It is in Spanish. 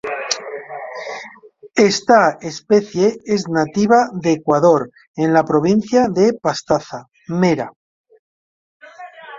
Está especie es nativa de Ecuador en la Provincia de Pastaza: Mera.